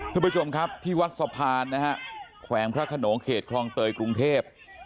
ทุกผู้ชมครับที่วัดสะพานนะฮะแขวงพระขนงเขตคลองเตยกรุงเทพ